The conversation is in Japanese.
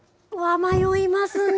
迷いますね。